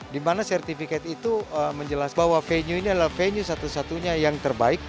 di mana sertifikat itu menjelaskan bahwa venue ini adalah venue satu satunya yang terbaik